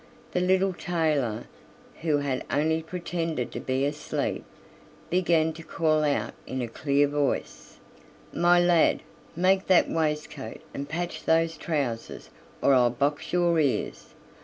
The little tailor, who had only pretended to be asleep, began to call out in a clear voice: "My lad, make that waistcoat and patch those trousers, or I'll box your ears.